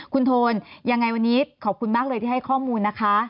คุณโทนยังไงวันนี้ขอบคุณมากเลยที่ให้ข้อมูลนะคะ